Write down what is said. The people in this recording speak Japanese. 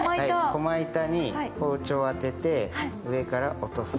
駒板に包丁を乗せて上から落とす。